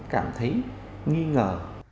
cảm thấy nghi ngờ